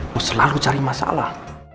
lu selalu cari masalah